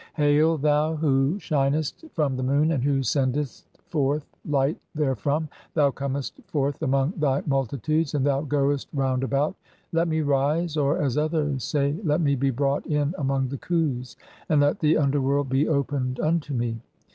"Hail, [thou] who shinest from the Moon and who sendest "forth light therefrom, thou comest forth among thy multitudes, "and thou goest round about, let me rise," or (as others say), "let me be brought in among the Klius, and let the underworld "be opened [unto me].